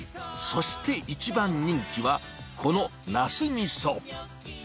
そして一番人気は、このなすみそ。